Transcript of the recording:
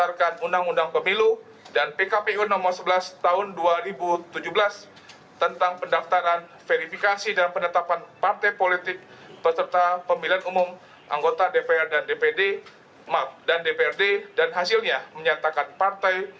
menimbang bahwa pasal satu ratus tujuh puluh tiga ayat satu pkpu no enam tahun dua ribu delapan belas tentang pendaftaran verifikasi dan pendatapan partai politik peserta pemilihan umum anggota dewan perwakilan rakyat daerah